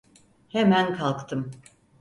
Hemen kalktım.